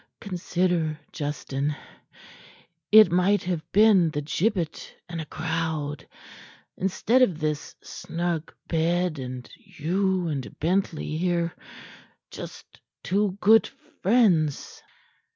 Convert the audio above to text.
Consider, Justin, it might have been the gibbet and a crowd instead of this snug bed, and you and Bentley here just two good friends."